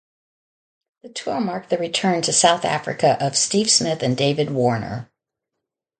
The tour marked the return to South Africa of Steve Smith and David Warner.